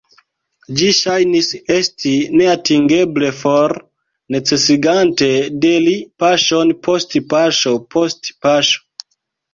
Ĝi ŝajnis esti neatingeble for, necesigante de li paŝon post paŝo post paŝo.